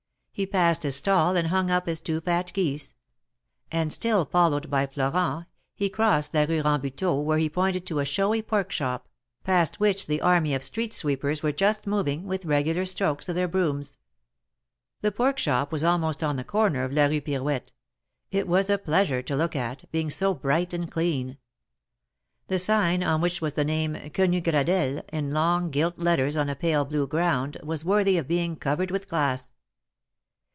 He passed his stall and hung up his two fat geese ; and still followed by Florent, he crossed la Rue Rambuteau, where he pointed to a showy pork shop, past which the army of street sweepers were just moving, with regular strokes of their brooms. The pork shop was almost on the corner of la Rue Pirouette ; it was a pleasure to look at, being so bright and clean. The sign, on which was the name Quenu GradeUe^ in long gilt letters on a pale blue grqund, was worthy of being covered with glass.